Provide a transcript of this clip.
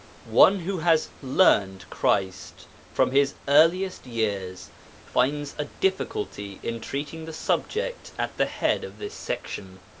One who has 'learned Christ' from his earliest years finds a difficulty in treating the subject at the head of this section.